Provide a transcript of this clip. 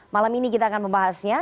malam ini kita akan membahasnya